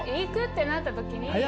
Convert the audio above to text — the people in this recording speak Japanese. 行くってなったときに。